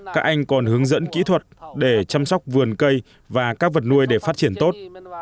các anh còn hướng dẫn kỹ thuật để chăm sóc vườn cây và các vật nuôi để phát triển tốt